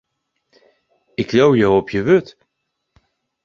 Ik leau jo op jo wurd.